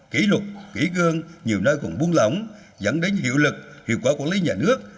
kỷ luật kỷ cương nhiều nơi còn buông lỏng dẫn đến hiệu lực hiệu quả quản lý nhà nước